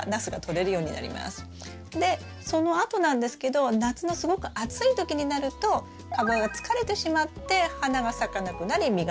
でそのあとなんですけど夏のすごく暑い時になると株が疲れてしまって花が咲かなくなり実がつかなくなる。